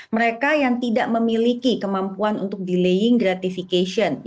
mereka yang tidak memiliki kemampuan untuk delaying gratification